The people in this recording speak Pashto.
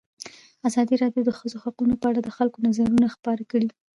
ازادي راډیو د د ښځو حقونه په اړه د خلکو نظرونه خپاره کړي.